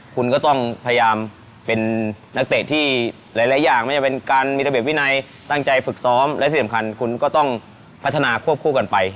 คุณก็ต้องพยายามเป็นนักเตะที่หลายอย่างไม่ว่าจะเป็นการมีระเบียบวินัยตั้งใจฝึกซ้อมและที่สำคัญคุณก็ต้องพัฒนาควบคู่กันไป